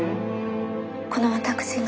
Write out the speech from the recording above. この私が？